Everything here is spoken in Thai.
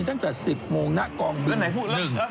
ตั้งแต่๑๐โมงหน้ากองบิน๑